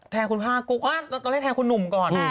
คุณพ่อกุ๊กตอนแรกแทงคุณหนุ่มก่อน